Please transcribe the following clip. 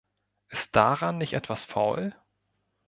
Ist daran nicht etwas faul?